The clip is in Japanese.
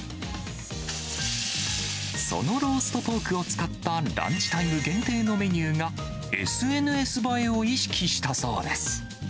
そのローストポークを使ったランチタイム限定のメニューが、ＳＮＳ映えを意識したそうです。